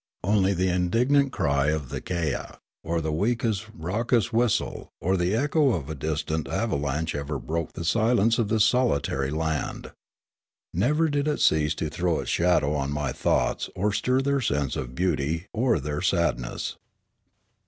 Only the indignant cry of the kea, or the weka's raucous whistle, or the echo of a distant ava lanche ever broke the silence of this solitary land. Never did it cease to throw its shadow on my thoughts or stir their sense of beauty or their sadness.